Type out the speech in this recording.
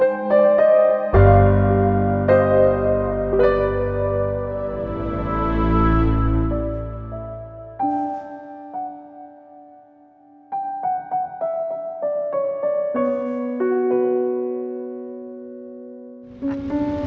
obatinya di rumah